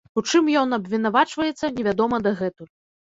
У чым ён абвінавачваецца, невядома дагэтуль.